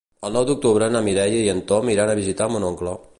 El nou d'octubre na Mireia i en Tom iran a visitar mon oncle.